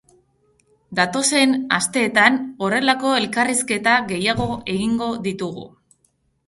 Datozen asteetan horrelako elkarrizketa gehiago egingo ditugu.